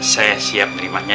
saya siap menerimanya